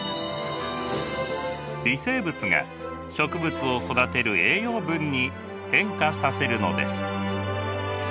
微生物が植物を育てる栄養分に変化させるのです。